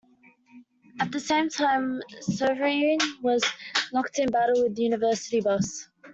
At the same time Sovereign was locked in battle with Universitybus.